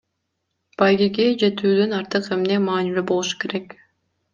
Байгеге жетүүдөн артык эмне маанилүү болушу керек?